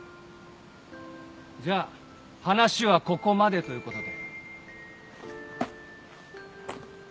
じゃあ話はここまでということで。